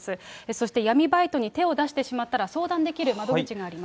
そして闇バイトに手を出してしまったら、相談できる窓口がありま